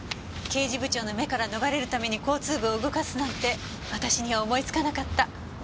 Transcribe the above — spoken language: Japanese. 刑事部長の目から逃れるために交通部を動かすなんて私には思いつかなかった。